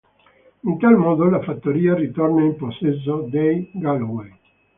In tal modo la fattoria ritorna in possesso dei Galloway.